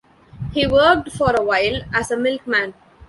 He worked for a while as a milkman.